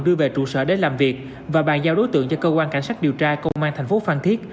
đưa về trụ sở để làm việc và bàn giao đối tượng cho cơ quan cảnh sát điều tra công an thành phố phan thiết